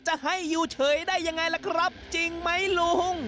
จะให้อยู่เฉยได้ยังไงล่ะครับจริงไหมลุง